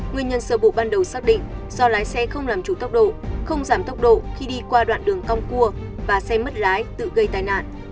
nguyên nhân sơ bộ ban đầu xác định do lái xe không làm chủ tốc độ không giảm tốc độ khi đi qua đoạn đường cong cua và xe mất lái tự gây tai nạn